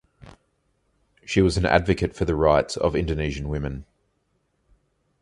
She was an advocate for the rights of Indonesian women.